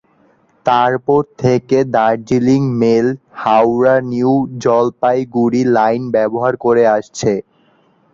তারপর থেকে Darjeeling mail, Howrah New Jalpaiguri line ব্যবহার করে আসছে।